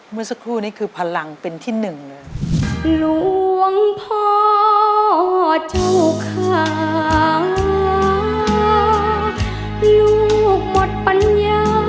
เมื่อสักครู่นี้คือพลังเป็นที่หนึ่งเลย